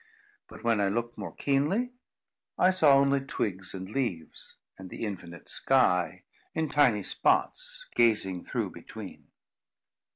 But when I looked more keenly, I saw only twigs and leaves, and the infinite sky, in tiny spots, gazing through between.